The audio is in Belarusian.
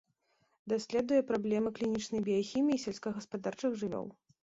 Даследуе праблемы клінічнай біяхіміі сельскагаспадарчых жывёл.